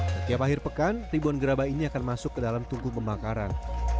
setiap akhir pekan ribuan gerabah ini akan masuk ke dalam tungku pembakaran